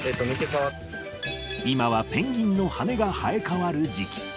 今はペンギンの羽が生えかわる時期。